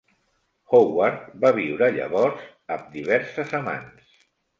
Howard va viure llavors amb diverses amants.